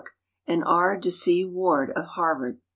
and R. DeC. Ward, of Harvard.